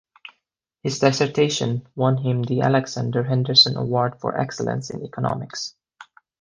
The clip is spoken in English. His dissertation won him the Alexander Henderson Award for excellence in economics.